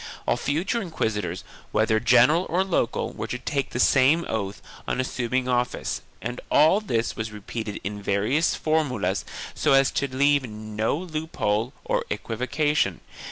All future inquisitors, whether general or 272 THE KINGDOMS OF ARAGON [BOOK I local, were to take the same oath on assuming office and all this was repeated in various formulas so as to leave no loop hole for equivocation.